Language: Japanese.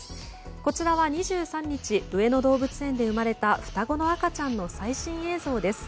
こちらは２３日上野動物園で生まれた双子の赤ちゃんの最新映像です。